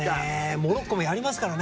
モロッコもやりますからね。